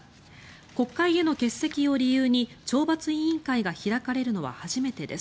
国会への欠席を理由に懲罰委員会が開かれるのは初めてです。